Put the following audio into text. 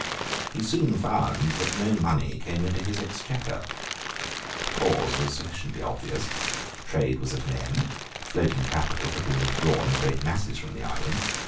He soon found that no money came into his Exchequer. The cause was sufficiently obvious. Trade was at an end. Floating capital had been withdrawn in great masses from the island.